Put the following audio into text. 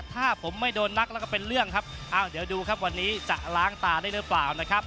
ถ้าผมไม่โดนนักแล้วก็เป็นเรื่องครับอ้าวเดี๋ยวดูครับวันนี้จะล้างตาได้หรือเปล่านะครับ